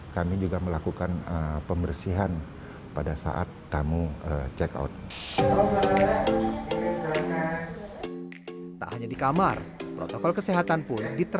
kami juga melakukan pembersihan pada saat tamu check out